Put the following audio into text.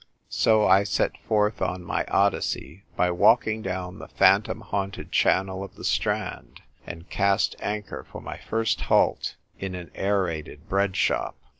So I set forth on my Odyssey by walking down the phantom haunted channel of the Strand, and cast anchor for my first halt in an aerated bread shop.